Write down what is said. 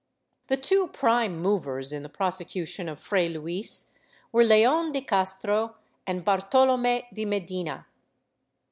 The two prime movers in the prosecution of Fray Luis were Leon de Castro and Bartolome de Medina.